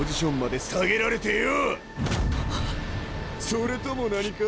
それとも何か？